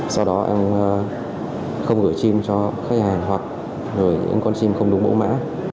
sau đó em không gửi chim cho khách hàng hoặc gửi những con chim không đúng bổ mã